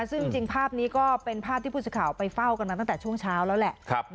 ซึ่งจริงภาพนี้ก็เป็นภาพที่ผู้สื่อข่าวไปเฝ้ากันมาตั้งแต่ช่วงเช้าแล้วแหละ